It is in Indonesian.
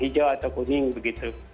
hidau atau kuning begitu